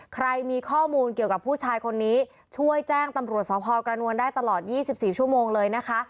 ใครมีข้อมูลเกี่ยวกับผู้ชายคนนี้ช่วยแจ้งตำรวจสพกระนวลได้ตลอด๒๔ชั่วโมงเลยนะคะ